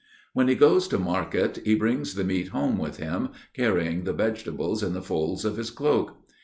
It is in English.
When he goes to market, he brings the meat home with him, carrying the vegetables in the folds of his cloak.